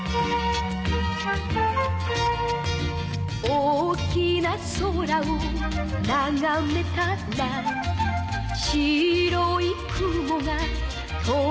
「大きな空をながめたら」「白い雲が飛んでいた」